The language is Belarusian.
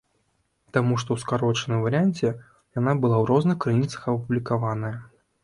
Таму што ў скарочаным варыянце яна была ў розных крыніцах апублікаваная.